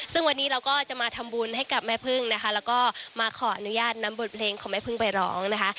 ซึ่งวันนี้เราก็จะมาทำบุญให้กับแม่พึ่งนะคะแล้วก็มาขออนุญาตนำบทเพลงของแม่พึ่งไปร้องนะคะ